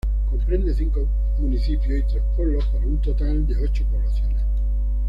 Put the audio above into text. Comprende cinco municipios y tres pueblos, para un total de ocho poblaciones.